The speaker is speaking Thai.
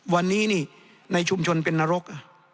วันนี้นี่ในชุมชนเป็นนรก